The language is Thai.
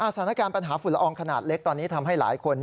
สถานการณ์ปัญหาฝุ่นละอองขนาดเล็กตอนนี้ทำให้หลายคน